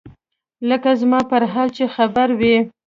لکه زما پر حال چې خبر وي.